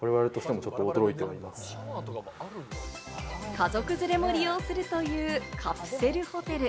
家族連れも利用するというカプセルホテル。